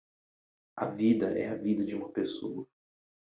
A vida é a vida de uma pessoa